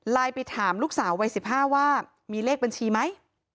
ไปถามลูกสาววัย๑๕ว่ามีเลขบัญชีไหม